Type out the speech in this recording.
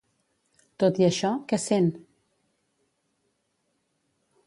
Tot i això, què sent?